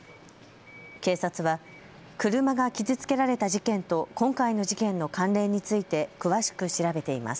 警察は車が傷つけられた事件と今回の事件の関連について詳しく調べています。